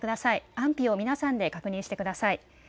安否を皆さんで確認してください。